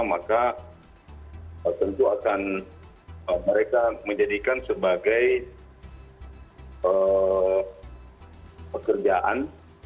maka tentu akan mereka menjadikan sebagai pekerjaan